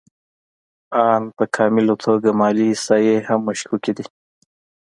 آن په کامله توګه مالي احصایې هم مشکوکې دي